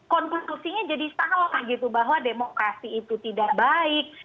konstitusinya jadi salah gitu bahwa demokrasi itu tidak baik